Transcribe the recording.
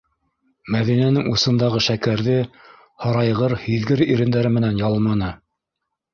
Мәҙинәнең усындағы шәкәрҙе һарайғыр һиҙгер ирендәре менән ялманы.